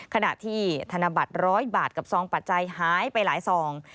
ขณะที่ธนบัตร๑๐๐บาทกับซองปัจจัยหายไปหลายซอง